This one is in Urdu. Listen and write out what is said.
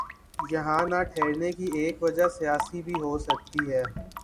یہاں نہ ٹھہرنے کی ایک وجہ سیاسی بھی ہو سکتی ہے۔